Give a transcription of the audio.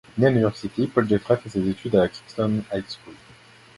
Né à New York City, Paul Jeffrey fait ses études à Kingston High School.